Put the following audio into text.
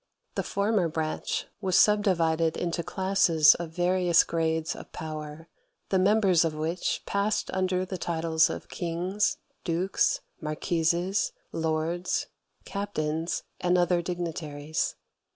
The former branch was subdivided into classes of various grades of power, the members of which passed under the titles of kings, dukes, marquises, lords, captains, and other dignities.